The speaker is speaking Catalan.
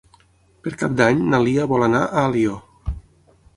Per Cap d'Any na Lia vol anar a Alió.